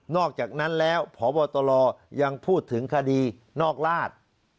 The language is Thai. อกจากนั้นแล้วพบตรยังพูดถึงคดีนอกราช